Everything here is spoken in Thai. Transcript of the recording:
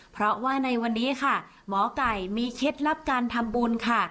เพราะว่าในวันนี้ค่ะหมอไก่มีเคล็ดลับการทำบุญค่ะ